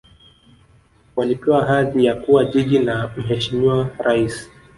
walipewa hadhi ya kuwa jiji na mheshimiwa rais